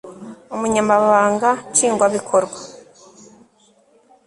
Umunyamabanga Nshingwabikorwa